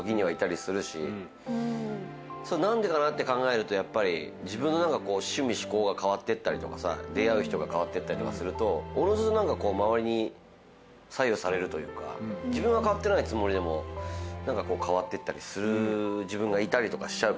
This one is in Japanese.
何でかなって考えるとやっぱり自分の趣味嗜好が変わってったりとかさ出会う人が変わってったりとかするとおのずと周りに左右されるというか自分は変わってないつもりでも何か変わってったりする自分がいたりとかしちゃうからね。